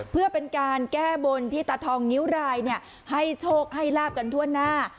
เพื่อเป็นการแก้บนที่ตาทองนิ้วรายให้โชคให้ลาบกันทั่วหน้า